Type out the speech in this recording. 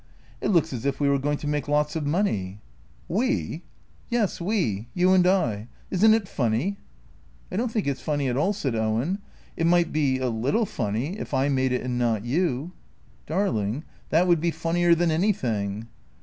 " It looks as if we were going to make lots of money." " We !"" Yes, we ; you and I. Is n't it funny ?" "I don't think it's funny at all," said Owen. "It might be — a little funny, if I made it and not you." "Darling — that would be funnier than anything."